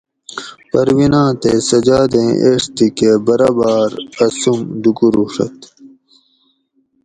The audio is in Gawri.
پرویناں تے سجادیں ایڄ تھی کہ براباۤر اسوم ڈُوکوروڛت